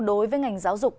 đối với ngành giáo dục